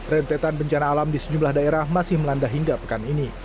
rentetan bencana alam di sejumlah daerah masih melanda hingga pekan ini